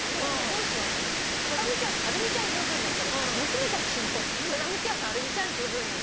両親をサダムちゃん春美ちゃんって呼ぶようになったら娘たちもサダムちゃん春美ちゃんって呼ぶようになって。